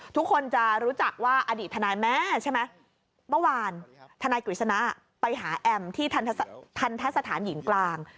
ทุกคนจะรู้จักว่าอดีตทนายแม่ใช่ไหมเมื่อวานทนายกฤษณะไปหาแอมที่ทันทะสถานหญิงกลาง